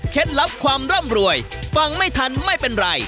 ลับความร่ำรวยฟังไม่ทันไม่เป็นไร